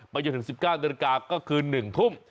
ไปอยู่ถึง๑๙นก็คือ๑ทุ่ม